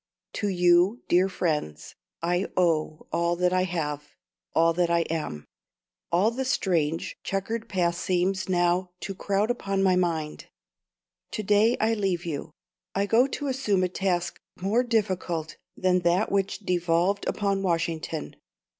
To you, dear friends, I owe all that I have, all that I am. All the strange, chequered past seems now to crowd upon my mind. To day I leave you. I go to assume a task more difficult than that which devolved upon Washington.